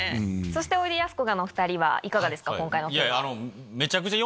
おいでやすこがのお２人はいかがですか？